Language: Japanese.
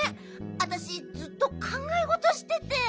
わたしずっとかんがえごとしてて。